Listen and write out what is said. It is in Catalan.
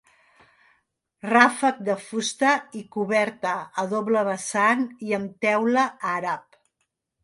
Ràfec de fusta i coberta a doble vessant i amb teula àrab.